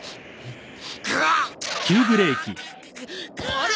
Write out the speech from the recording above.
あれ？